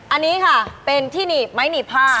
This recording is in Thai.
อันนี้ค่ะเป็นที่หนีบไม้หนีบผ้า